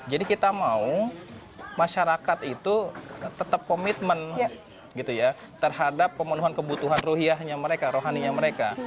jadi kita mau masyarakat itu tetap komitmen terhadap pemenuhan kebutuhan rohaninya mereka